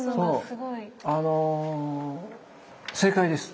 あの正解です！